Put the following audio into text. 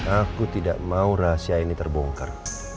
aku tidak mau rahasia ini terbongkar